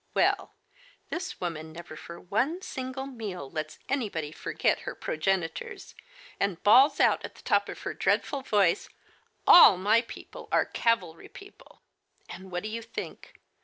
Well, this woman never for one single meal lets anybody forget her pro genitors, and bawls out at the top of her dreadful Digitized by Google HELEN MATHERS. 1 voice, *A// my people are cavalry people !*' And what do you think?